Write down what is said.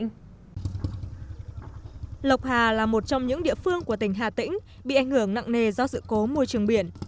ngọc hà là một trong những địa phương của tỉnh hà tĩnh bị ảnh hưởng nặng nề do sự cố mùi trồng biển